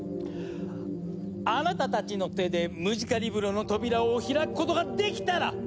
あなたたちの手でムジカリブロの扉を開くことができたら！